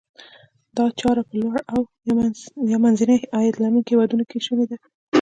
دا چاره په لوړ او یا منځني عاید لرونکو هیوادونو کې شوني ده.